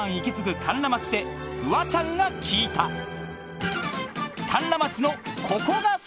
甘楽町でフワちゃんが聞いたあっ！